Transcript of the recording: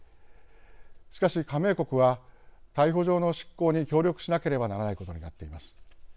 しかし加盟国は逮捕状の執行に協力しなければならないことになっています。